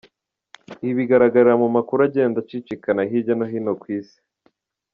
Ibi bigaragarira mu makuru agenda acicikana hirya no hino ku isi.